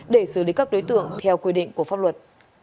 để xử lý các đối tượng theo quy định của pháp luật